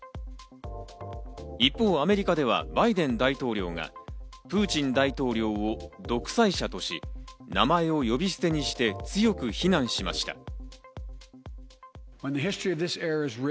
一方、アメリカではバイデン大統領がプーチン大統領を独裁者とし、名前を呼び捨てにして強く非難しました。